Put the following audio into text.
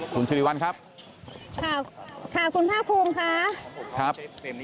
คุณสิริวัลครับค่ะคุณภาคภูมิค่ะครับ